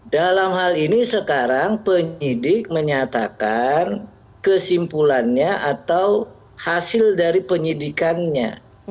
dalam hal ini sekarang penyidik menyatakan kesimpulannya atau hasil dari penyidikannya